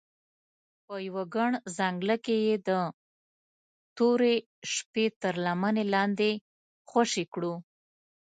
په یوه ګڼ ځنګله کې یې د تورې شپې تر لمنې لاندې خوشې کړو.